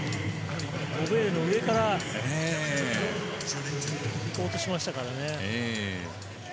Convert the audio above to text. ゴベールの上から行こうとしましたからね。